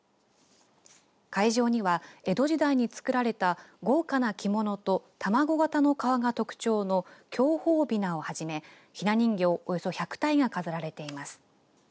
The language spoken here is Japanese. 会場には江戸時代につくられた豪華な着物と卵形の顔が特徴の享保びなをはじめひな人形、およそ１００体が飾られています。